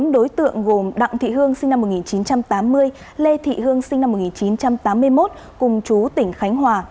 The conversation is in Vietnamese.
bốn đối tượng gồm đặng thị hương sinh năm một nghìn chín trăm tám mươi lê thị hương sinh năm một nghìn chín trăm tám mươi một cùng chú tỉnh khánh hòa